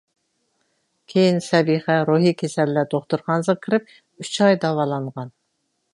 كېيىن سەبىخە روھىي كېسەللەر دوختۇرخانىسىغا كىرىپ ئۈچ ئاي داۋالانغان.